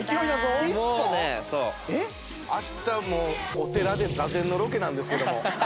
明日お寺で座禅のロケなんですけども。